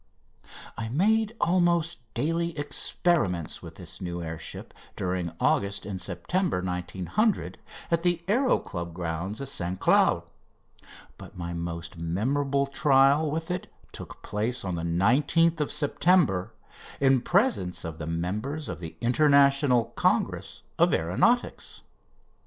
I made almost daily experiments with this new air ship during August and September 1900 at the Aéro Club's grounds at St Cloud, but my most memorable trial with it took place on 19th September in presence of the members of the International Congress of Aeronautics.